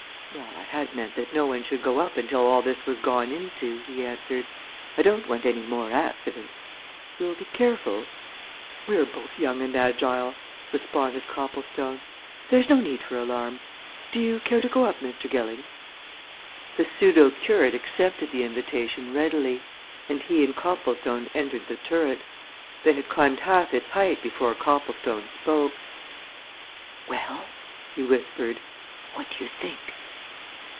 "Well, I had meant that no one should go up until all this was gone into," he answered. "I don't want any more accidents. You'll be careful?" "We're both young and agile," responded Copplestone. "There's no need for alarm. Do you care to go up, Mr. Gilling?" The pseudo curate accepted the invitation readily, and he and Copplestone entered the turret. They had climbed half its height before Copplestone spoke. "Well?" he whispered. "What do you think?"